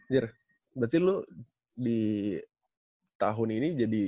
year berarti lu di tahun ini jadi